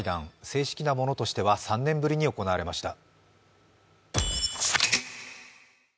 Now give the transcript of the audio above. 正式なものとしては３年ぶりに行われました。